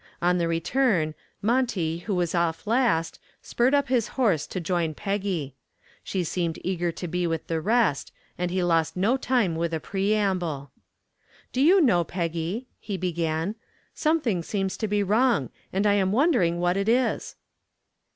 On the return Monty who was off last spurred up his horse to join Peggy. She seemed eager to be with the rest and he lost no time with a preamble. "Do you know, Peggy," he began, "something seems to be wrong, and I am wondering what it is."